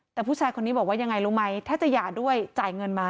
แต่ผู้ชายคนนี้บอกว่ายังไงรู้ไหมถ้าจะหย่าด้วยจ่ายเงินมา